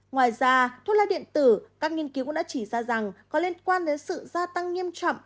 ngoài ra thuốc lá điện tử các nghiên cứu cũng đã chỉ ra rằng có liên quan đến sự gia tăng nghiêm trọng